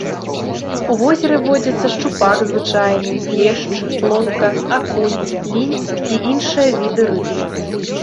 У возеры водзяцца шчупак звычайны, лешч, плотка, акунь, лінь і іншыя віды рыб.